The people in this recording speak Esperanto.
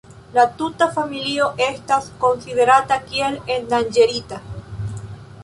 La tuta familio estas konsiderata kiel endanĝerita.